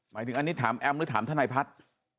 หมายถึงอันนี้ถามแอมหรือถามทนายพัฒน์